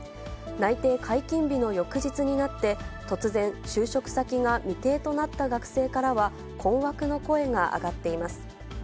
内定解禁日の翌日になって、突然、就職先が未定となった学生からは、困惑の声が上がっています。